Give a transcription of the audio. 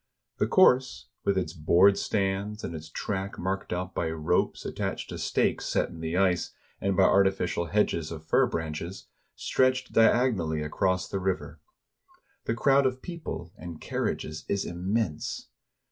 The course — with its board stands, and its track marked out by ropes attached to stakes set in the ice, and by artificial hedges of fir branches — stretched diagonally across the river. The crowd of people and car riages is immense.